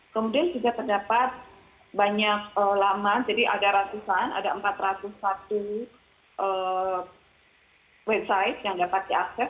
kemudian juga terdapat banyak laman jadi ada ratusan ada empat ratus satu website yang dapat diakses